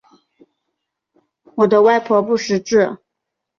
我的外婆不识字